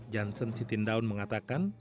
janssen siti ndaun mengatakan